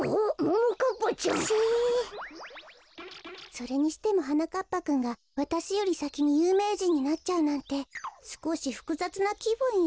それにしてもはなかっぱくんがわたしよりさきにゆうめいじんになっちゃうなんてすこしふくざつなきぶんよ。